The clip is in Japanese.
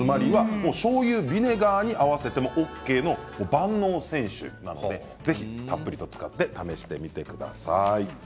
しょうゆやビネガーに合わせてもＯＫの万能選手なのでぜひ、たっぷり使って試してください。